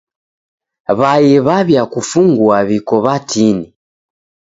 W'ai w'aw'iakufungua w'iko w'atini.